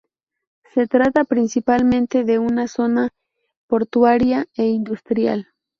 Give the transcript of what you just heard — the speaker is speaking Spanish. Se trata principalmente de una zona portuaria e industrial.